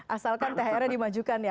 asalkan thr nya dimajukan ya